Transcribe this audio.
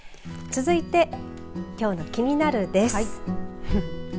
続いてきょうのキニナル！です。